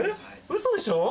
嘘でしょ。